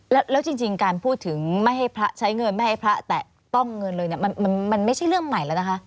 แล้วจริงการพูดถึงไม่ให้พระใช้เงินไม่ให้พระแตะต้องเงินเลยเนี่ยมันไม่ใช่เรื่องใหม่แล้วนะคะ